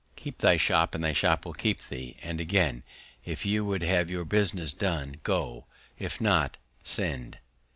Keep thy Shop, and thy Shop will keep thee; and again, _If you would have your business done, go; if not, send.